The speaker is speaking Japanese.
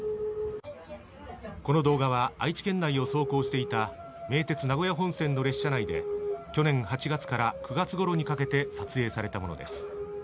この動画は、愛知県内を走行していた名鉄名古屋本線の列車内で去年８月から９月ごろにかけて、撮影されたものです。